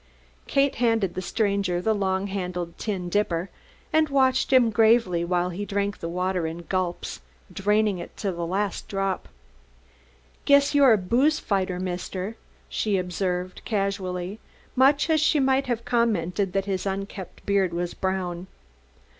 Kate handed the stranger the long handled tin dipper and watched him gravely while he drank the water in gulps, draining it to the last drop. "Guess you're a booze fighter, Mister," she observed, casually, much as she might have commented that his unkempt beard was brown.